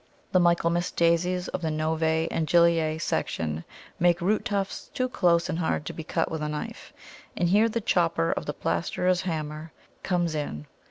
The Michaelmas Daisies of the Novæ Angliæ section make root tufts too close and hard to be cut with a knife, and here the chopper of the plasterer's hammer comes in.